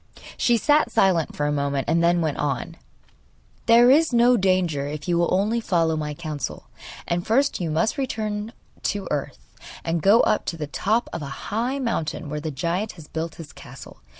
She sat silent for a moment, and then went on: 'There is no danger if you will only follow my counsel; and first you must return to earth, and go up to the top of a high mountain, where the giant has built his castle.